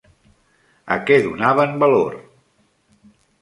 A què donaven valor?